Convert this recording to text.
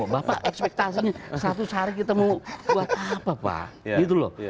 bapak ekspektasinya seratus hari kita mau buat apa pak